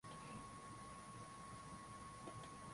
Maziwa mengine madogo yaliyopo katika bonde hili